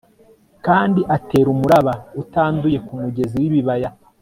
kandi atera umuraba utanduye kumugezi wibibaya